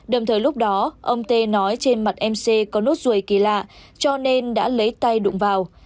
đồng thời lúc đó ông t nói trên mặt em c có nốt ruồi kỳ lạ cho nên đã lấy tay đụng vào